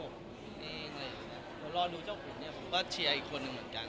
เดี๋ยวรอดูเจ้าขุนเนี่ยผมก็เชียร์อีกคนนึงเหมือนกัน